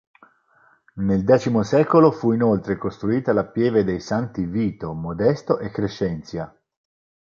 Nel X secolo fu inoltre costruita la pieve dei Santi Vito, Modesto e Crescenzia.